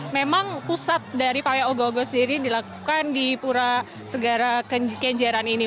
memang pusat dari paya ogo ogo sendiri dilakukan di pura segara kenjeran ini